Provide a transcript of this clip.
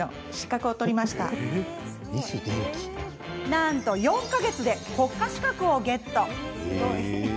なんと４か月で国家資格をゲット。